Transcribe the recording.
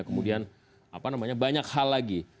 kemudian apa namanya banyak hal lagi